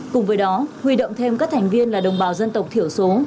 cùng với đó huy động thêm các thành viên là đồng bào dân tộc thiểu số